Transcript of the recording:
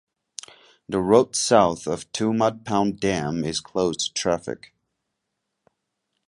The road south of Tumut Pond dam is closed to traffic.